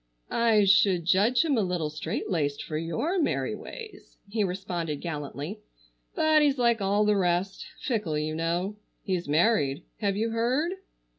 "I should judge him a little straitlaced for your merry ways," he responded gallantly, "but he's like all the rest, fickle, you know. He's married. Have you heard?"